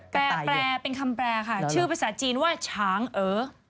เปลี่ยนเปลี่ยนเป็นคำแปรค่ะชื่อภาษาจีนว่าช้างเออ